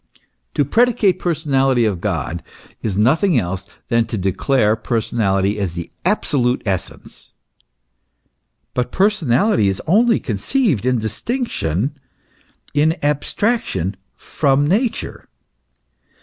To predicate personality of God is nothing else than to declare personality as the absolute essence ; but personality is only conceived in distinction, in abstraction from Nature.